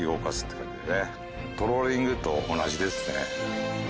トローリングと同じですね。